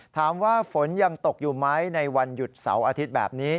ถามว่าฝนยังตกอยู่ไหมในวันหยุดเสาร์อาทิตย์แบบนี้